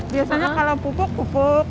biasanya kalau pupuk pupuk